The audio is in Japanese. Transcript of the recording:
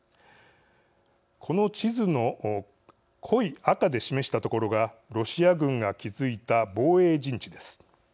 この地図の濃い赤で示した所がロシア軍が築いた防衛陣地です。